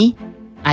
apa ini bisa dipahami